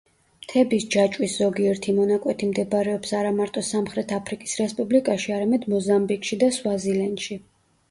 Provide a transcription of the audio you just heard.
მთების ჯაჭვის ზოგიერთი მონაკვეთი მდებარეობს არა მარტო სამხრეთ აფრიკის რესპუბლიკაში, არამედ მოზამბიკში და სვაზილენდში.